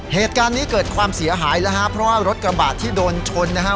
เหตุการณ์นี้เกิดความเสียหายแล้วฮะเพราะว่ารถกระบะที่โดนชนนะฮะ